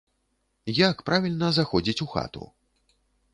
Як правільна заходзіць у хату?